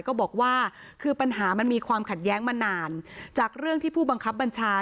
ก็บอกว่าคือปัญหามันมีความขัดแย้งมานานจากเรื่องที่ผู้บังคับบัญชา